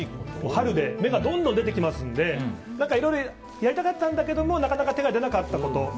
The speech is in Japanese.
春で芽がどんどん出てきますのでいろいろやりたかったんだけどなかなか手が出なかったこと